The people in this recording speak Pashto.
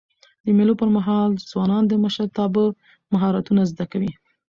د مېلو پر مهال ځوانان د مشرتابه مهارتونه زده کوي.